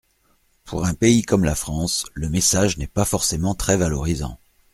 Pour un pays comme la France, le message n’est pas forcément très valorisant.